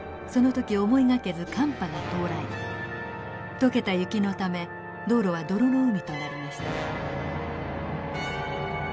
解けた雪のため道路は泥の海となりました。